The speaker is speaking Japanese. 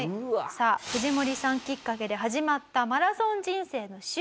さあ藤森さんきっかけで始まったマラソン人生の集大成。